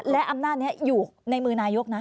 และอำนาจนี้อยู่ในมือนายกนะ